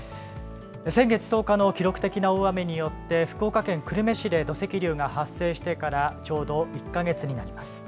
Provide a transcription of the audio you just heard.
先月１０日の記録的な大雨によって、福岡県久留米市で土石流が発生してから、ちょうど１か月になります。